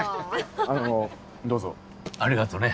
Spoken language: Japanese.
あのどうぞ。ありがとね。